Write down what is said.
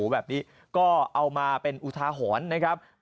แบบนี้ก็เอามาเป็นอุทาหรณ์นะครับ